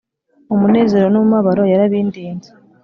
Umunezero n’umubabaro yarabindinze